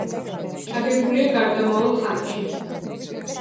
აგებულია გარდამავალ ხანაში.